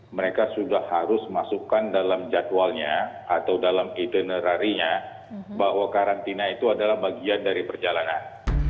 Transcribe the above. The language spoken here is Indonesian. mereka sudah harus masukkan dalam jadwalnya atau dalam itinerarinya bahwa karantina itu adalah bagian dari perjalanan